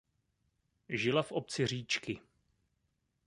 Žila v obci Říčky.